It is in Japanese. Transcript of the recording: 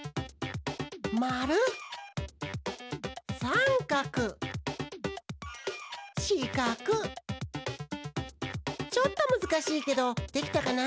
まるさんかくしかくちょっとむずかしいけどできたかな？